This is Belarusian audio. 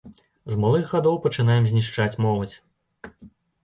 З малых гадоў пачынаем знішчаць моладзь.